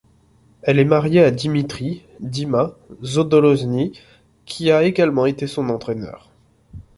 Elle est mariée à Dimitri “Dima” Zadorozhniy, qui a également été son entraîneur.